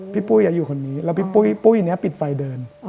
ปุ้ยอยู่คนนี้แล้วพี่ปุ้ยนี้ปิดไฟเดิน